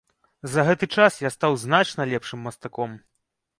За гэты час я стаў значна лепшым мастаком.